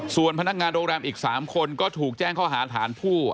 ส่วนพนักงานโรงแรมอีก๓คนก็ถูกแจ้งข้อหาฐานผู้